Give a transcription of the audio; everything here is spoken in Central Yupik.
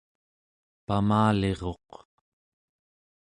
pamaliruq